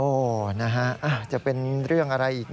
โอ้โหนะฮะจะเป็นเรื่องอะไรอีก